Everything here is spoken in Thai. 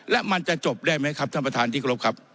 และมันจะจบได้ไหมครับท่านประธานที่กรบครับ